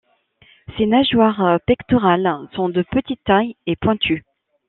Ses nageoires pectorales sont de petite taille et pointues.